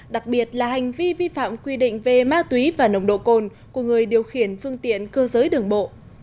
đặc biệt là hành vi vi phạm quy định về ma túy và nồng độ cồn của người điều khiển phương tiện cơ giới đường bộ